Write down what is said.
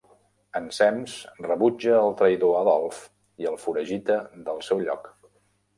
Ensems, rebutja el traïdor Adolf i el foragita del seu lloc.